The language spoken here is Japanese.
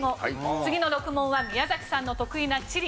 次の６問は宮崎さんの得意な地理。